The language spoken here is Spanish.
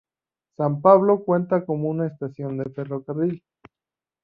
San Pablo cuenta con una estación de ferrocarril.